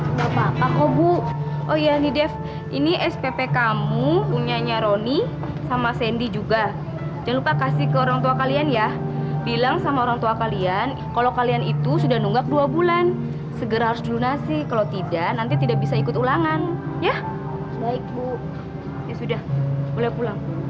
enggak apa apa kogu oh ya nih def ini spp kamu punya nyaroni sama sandy juga jangan lupa kasih ke orang tua kalian ya bilang sama orang tua kalian kalau kalian itu sudah nunggak dua bulan segera duit nasi kalau tidak nanti tidak bisa ikut ulangan ya baik bu sudah boleh pulang